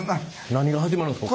何が始まるんですか？